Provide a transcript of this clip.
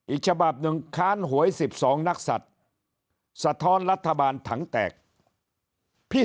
อีกฉบับหนึ่งค้านหวย๑๒นักศัตริย์สะท้อนรัฐบาลถังแตกพี่